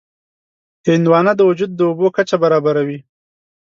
هندوانه د وجود د اوبو کچه برابروي.